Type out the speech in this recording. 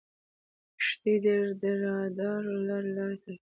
کښتۍ د رادار له لارې لاره ټاکي.